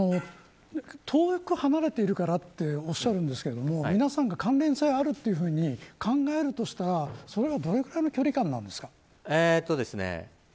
遠く離れているからとおっしゃるんですけれども皆さんが関連性あるというふうに考えるとしたらそれはどれぐらいの距離間なんですか。